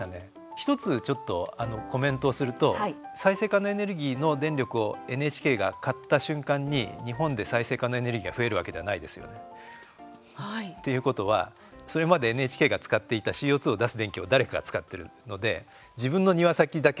１つ、ちょっとコメントをすると再生可能エネルギーの電力をＮＨＫが買った瞬間に日本で再生可能エネルギーが増えるわけではないですよね。っていうことはそれまでＮＨＫが使っていたＣＯ２を出す電気を誰かが使ってるので、自分の庭先だけ